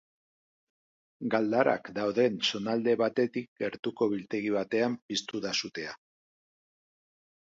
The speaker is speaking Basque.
Galdarak dauden zonalde batetik gertuko biltegi batean piztu da sutea.